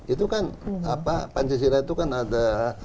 itu kan pancasila itu kan ada